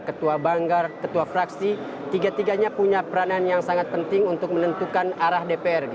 ketua banggar ketua fraksi tiga tiganya punya peranan yang sangat penting untuk menentukan arah dpr